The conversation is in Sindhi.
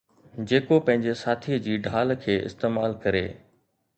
جيڪو پنهنجي ساٿيءَ جي ڍال کي استعمال ڪري.